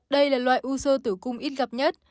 đây là loại u sơ tử cung ít gặp nhất